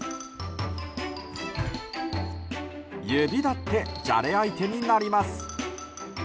指だってじゃれ相手になります。